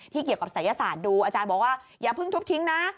เกี่ยวกับศัยศาสตร์ดูอาจารย์บอกว่าอย่าเพิ่งทุบทิ้งนะ